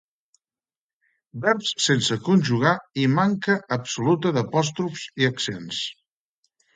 Verbs sense conjugar i manca absoluta d'apòstrofs i accents